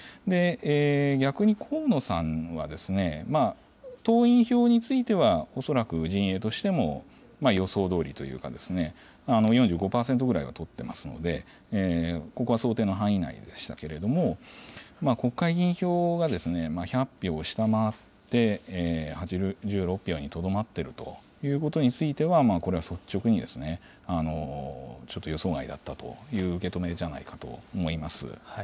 逆に河野さんは、党員票については、恐らく陣営としても予想どおりというか、４５％ぐらいは取ってますので、ここは想定の範囲内でしたけれども、国会議員票が１００票を下回って、８６票にとどまっているということについては、これは率直に、ちょっと予想外だったという受け止めじゃないかと思います。